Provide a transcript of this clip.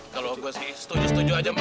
kalau gue sih setuju setuju aja pak